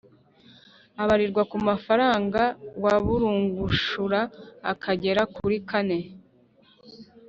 abarirwa ku mafaranga waburungushura akagera kuri kane